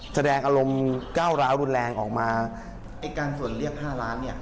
แสดงอารมณ์ก้าวร้าวรุนแรงออกมาไอ้การส่วนเรียกห้าล้านเนี่ย